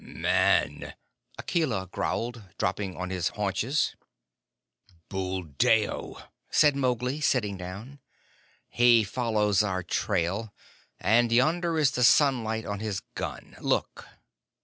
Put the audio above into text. "Man!" Akela growled, dropping on his haunches. "Buldeo!" said Mowgli, sitting down. "He follows our trail, and yonder is the sunlight on his gun. Look!"